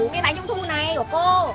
cái bánh trung thu này của cô